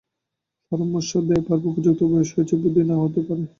পরামর্শ দেবার উপযুক্ত বয়স হয়েছে, বুদ্ধি না হতেও পারে।